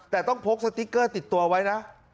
แต่ต้องพกสติ๊กเกอร์ติดตัวไว้นะ